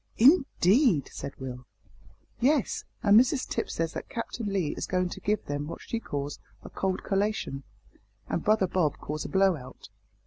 "Indeed!" said Will. "Yes; and Mrs Tipps says that Captain Lee is going to give them what she calls a cold collation, and brother Bob calls a blow out."